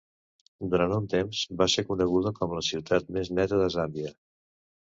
Durant un temps va ser coneguda com la ciutat més neta de Zàmbia.